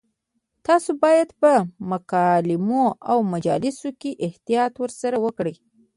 تاسو باید په مکالمو او مجالسو کې احتیاط ورسره وکړئ.